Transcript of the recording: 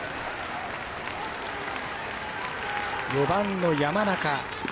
４番の山中。